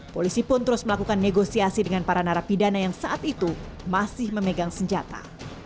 polisi pun terus melakukan negosiasi dengan para narapidana yang saat itu masih memegang senjata